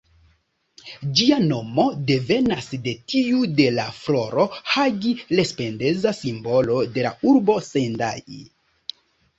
Ĝia nomo devenas de tiu de la floro ""Hagi-Lespedeza"", simbolo de la urbo Sendai.